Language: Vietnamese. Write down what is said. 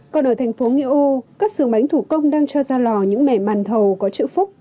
còn ở thành phố nghĩa âu các xưởng bánh thủ công đang cho ra lò những mẻ màn thầu có chữ phúc